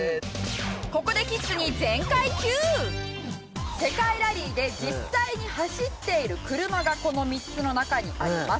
ここでキッズに世界ラリーで実際に走っている車がこの３つの中にあります。